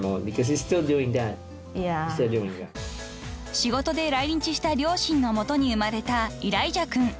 ［仕事で来日した両親の元に生まれたイライジャ君］